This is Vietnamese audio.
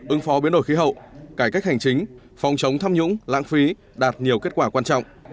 ứng phó biến đổi khí hậu cải cách hành chính phòng chống tham nhũng lãng phí đạt nhiều kết quả quan trọng